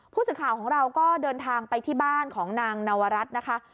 ผู้สื่อข่าวของเราก็เดินทางไปที่บ้านของนางนวรัฐนะคะ